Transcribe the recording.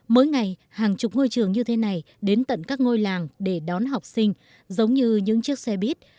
mỗi ngày hàng chục ngôi trường như thế này đến tận các ngôi làng để đón học sinh giống như những chiếc xe buýt